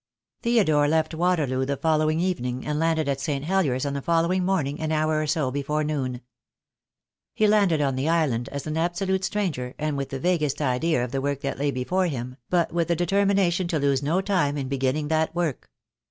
Theodore left Waterloo the following evening, and landed at St. Heliers on the following morning an hour or so before noon. He landed on the island as an ab solute stranger, and with the vaguest iclea of the work that lay before him, but with the determination to lose no time in beginning that work.